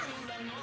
あ！